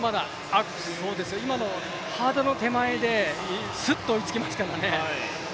今の、ハードルの手前でスッと追いつきますからね。